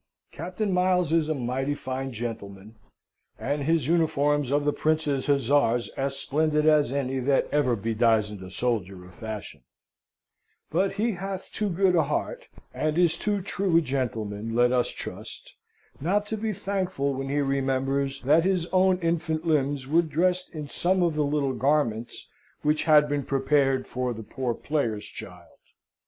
Captain Miles is a mighty fine gentleman, and his uniforms of the Prince's Hussars as splendid as any that ever bedizened a soldier of fashion; but he hath too good a heart, and is too true a gentleman, let us trust, not to be thankful when he remembers that his own infant limbs were dressed in some of the little garments which had been prepared for the poor player's child.